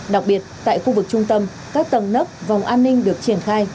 đặc biệt tại khu vực trung tâm các tầng nấp vòng an ninh được triển khai